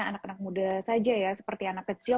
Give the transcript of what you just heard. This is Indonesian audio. anak anak muda saja ya seperti anak kecil